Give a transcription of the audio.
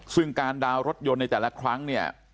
ซึ่งการดาวน์รถยนต์ในแต่ละครั้งเนี่ย